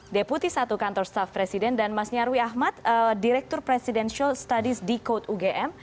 deputi satu kantor staff presiden dan mas nyarwi ahmad direktur presidential studies dekode ugm